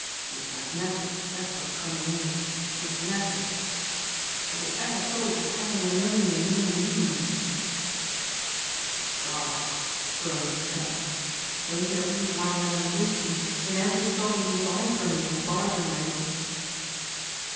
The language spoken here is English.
He's magnetic, that's what Connie is, magnetic. Have you ever thought what having a million a year means?" "Ye Gods," groaned Trent, "don't you read my lamentations in every story you buy from me at bargain rates?"